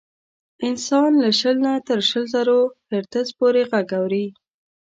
انسان له شل تر شل زرو هرتز پورې غږ اوري.